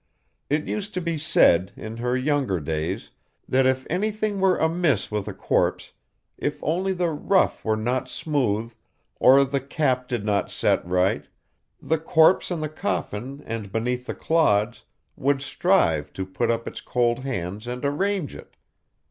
It used to be said, in her younger days, that if anything were amiss with a corpse, if only the ruff were not smooth, or the cap did not set right, the corpse in the coffin and beneath the clods would strive to put up its cold hands and arrange it.